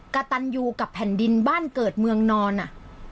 กระตันยูกับแผ่นดินบ้านเกิดเมืองนอนอ่ะ